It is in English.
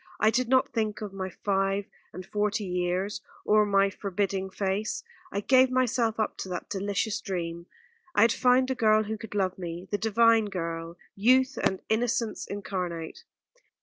I did not think of my five and forty years or my forbidding face. I gave myself up to that delicious dream. I had found the girl who could love me, the divine girl, youth and innocence incarnate.